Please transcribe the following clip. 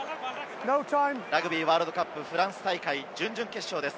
ラグビーワールドカップ・フランス大会、準々決勝です。